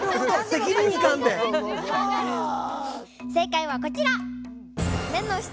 正解はこちら。